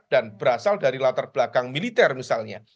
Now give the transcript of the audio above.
dan berasal dari latar belakang militer misalnya